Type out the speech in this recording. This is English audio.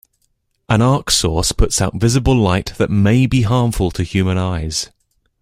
An arc source puts out visible light that may be harmful to human eyes.